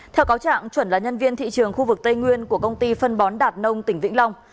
theo cáo trạng chuẩn là nhân viên thị trường khu vực tây nguyên của công ty phân bón đạt nông tỉnh vĩnh long